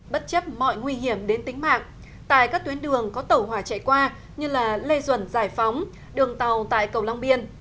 bất chấp mọi nguy hiểm đến tính mạng tại các tuyến đường có tàu hỏa chạy qua như lê duẩn giải phóng đường tàu tại cầu long biên